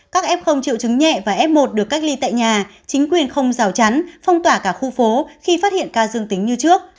các f triệu chứng nhẹ và f một được cách ly tại nhà chính quyền không rào chắn phong tỏa cả khu phố khi phát hiện ca dương tính như trước